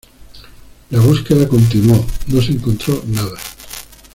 La búsqueda continuó, no se encontró nada.